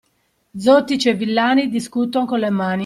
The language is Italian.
Zotici e villani discuton con le mani.